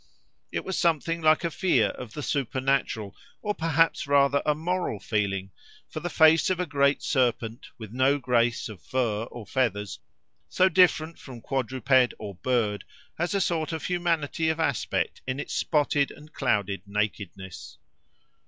It was something like a fear of the supernatural, or perhaps rather a moral feeling, for the face of a great serpent, with no grace of fur or feathers, so different from quadruped or bird, has a sort of humanity of aspect in its spotted and clouded nakedness.